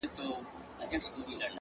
او هغه خړ انځور-